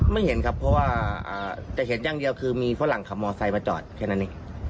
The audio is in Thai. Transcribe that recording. ไม่เห็นครับเพราะว่าจะเห็นอย่างเดียวคือมีฝรั่งขับมอไซค์มาจอดแค่นั้นเอง